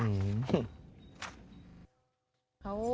อืม